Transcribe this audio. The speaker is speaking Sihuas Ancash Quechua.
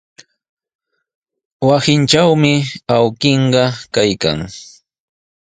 Wasintrawmi awkilluu kaykan.